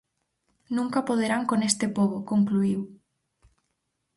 Nunca poderán con este pobo, concluíu.